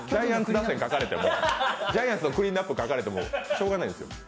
ジャイアンツのクリーンナップ書かれてもしようがないです。